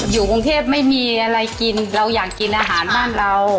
อยู่กรุงเทพไม่มีอะไรกินเราอยากกินอาหารบ้านเรา